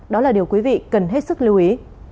đó là điều quý vị cần hết sức lưu ý